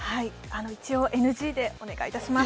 一応、ＮＧでお願いいたします。